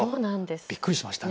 びっくりしましたね。